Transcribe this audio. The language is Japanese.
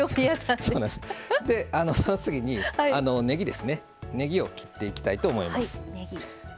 その次に、ねぎを切っていきたいと思います。